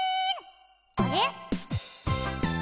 あれ？